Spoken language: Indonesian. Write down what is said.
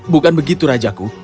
bukan begitu rajaku